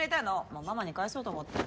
もうママに返そうと思って。